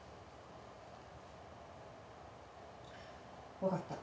「分かった